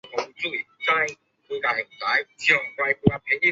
李士元与弟弟李士操在东魏武定年间都官至仪同开府参军事。